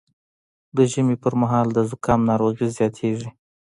د ژمي پر مهال د زکام ناروغي زیاتېږي